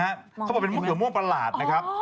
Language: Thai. เขาบอกว่าเป็นมะเขือม่วงประหลาดนะครับ